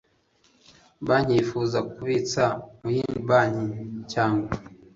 banki yifuza kubitsa mu yindi banki cyangwa